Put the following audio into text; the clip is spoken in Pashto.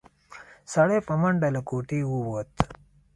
سړی په منډه له کوټې ووت.